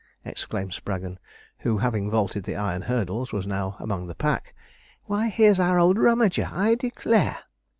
exclaimed Spraggon, who, having vaulted the iron hurdles, was now among the pack. 'Why, here's our old Rummager, I declare!'